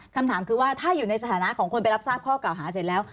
คำถามคือว่าถ้าอยู่ในสถานะของคนไปรับทราบข้อเก่าหาเสร็จแล้ว